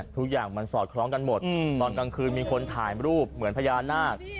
ทุกอย่างมันสอดคล้องกันหมดตอนกลางคืนมีคนถ่ายรูปเหมือนพญานาค